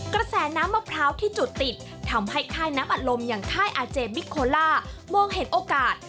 กระแสน้ำมะพร้าวที่จุดติดทำให้ค่ายน้ำอัดลมอย่างค่ายอาเจบิโคล่ามองเห็นโอกาส